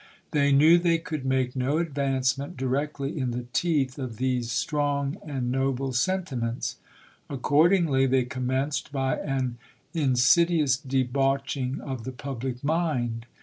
They knew they could make no advance ment directly in the teeth of these strong and noble sentiments. Accordingly they commenced by an insidi ous debauching of the public mind.